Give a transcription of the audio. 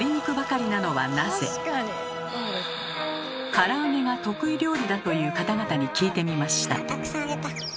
から揚げが得意料理だという方々に聞いてみました。